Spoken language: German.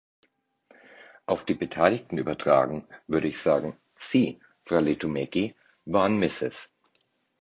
Auf die Beteiligten übertragen würde ich sagen, Sie, Frau Lehtomäki, waren Mrs.